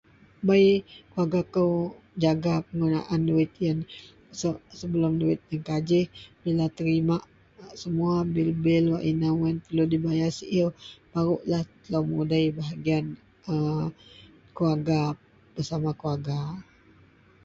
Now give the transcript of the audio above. Perogrem wak disuka melou yenlah perogrem telabau Melanau, lagu Melanau wak disenuka melou, wak bak, bak, menginget melou selalulah pasel inou wak telabau geniyau